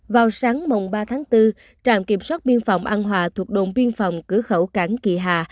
vào sáng mộng ba bốn trạm kiểm soát biên phòng an hòa thuộc động biên phòng cửa khẩu cảng kỳ hà